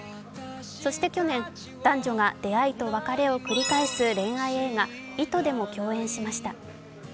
そして去年、男女が出会いと別れを繰り返す恋愛映画「糸」でも共演しました。